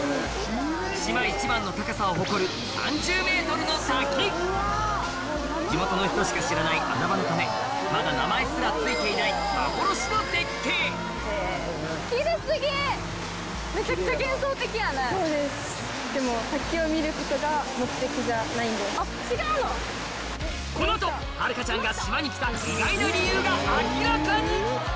島一番の高さを誇る３０ｍの滝地元の人しか知らない穴場のためまだ名前すら付いてない幻の絶景この後春佳ちゃんが島に来た意外な理由が明らかに！